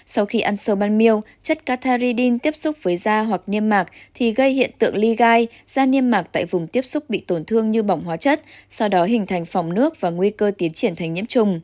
sau khi ăn sâu ban miêu chất catharyn tiếp xúc với da hoặc niêm mạc thì gây hiện tượng ly gai da niêm mạc tại vùng tiếp xúc bị tổn thương như bỏng hóa chất sau đó hình thành phòng nước và nguy cơ tiến triển thành nhiễm trùng